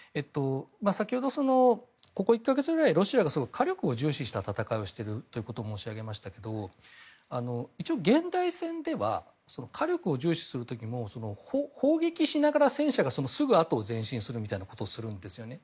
先ほど、ここ１か月くらいロシアがすごく火力を重視した戦いをしているということを申し上げましたけれども一応、現代戦では火力を重視する時でも砲撃しながら、戦車がすぐあとを前進するみたいなことをするんですね。